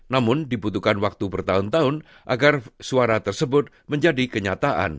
namun dibutuhkan waktu bertahun tahun agar suara tersebut menjadi kenyataan